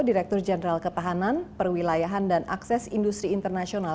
direktur jenderal ketahanan perwilayahan dan akses industri internasional